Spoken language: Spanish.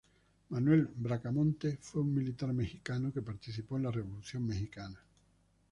Manuel Bracamonte fue un militar mexicano que participó en la Revolución mexicana.